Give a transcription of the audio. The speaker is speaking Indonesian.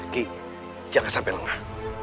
ki jangan sampai lengah